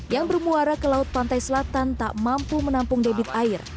yang bermuara ke laut pantai selatan tak mampu menampung debit air